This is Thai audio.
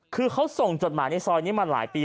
คือเขาส่งจดหมายในซอยนี้มาหลายปี